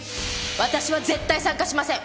私は絶対参加しません！